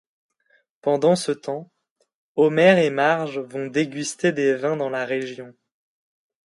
Pendant ce temps, Homer et Marge vont déguster des vins dans la région.